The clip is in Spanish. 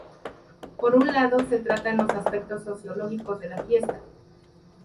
Por un lado se tratan los aspectos sociológicos de la fiesta.